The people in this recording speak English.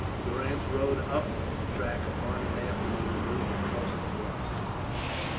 Durrance rode up the track upon an afternoon and knew the house at once.